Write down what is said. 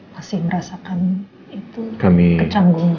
masih merasakan itu kecanggungan